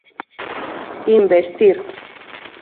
Investir.